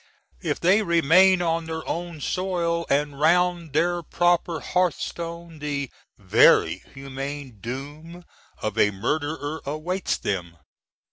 If they remain on their own soil and round their proper hearthstone the (very) humane doom of a murderer awaits them!